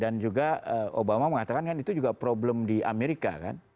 dan juga obama mengatakan itu juga problem di amerika